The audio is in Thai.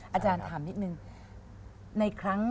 อาจารย์ถามนิดนึง